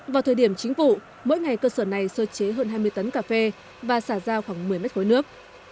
vào thời điểm chính vụ mỗi ngày cơ sở này sơ chế hơn hai mươi tấn cà phê và xả ra khoảng một mươi mét khối nước